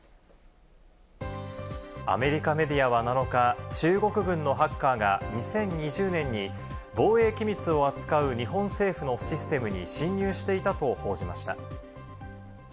アメリカメディアは７日、中国軍のハッカーが２０２０年に防衛機密を扱う日本政府のシステムに侵入していたと報じました。